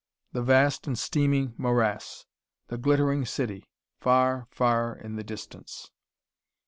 The vast and steaming morass. The glittering city, far, far in the distance.